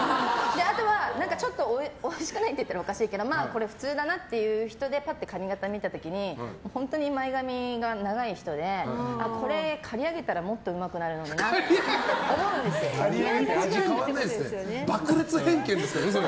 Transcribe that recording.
あとは、ちょっとおいしくないっていったらおかしいけどこれ普通だなっていう人でぱって髪形見た時に本当に前髪が長い人でこれ、刈り上げたらもっとうまくなるのになって変わらないですって。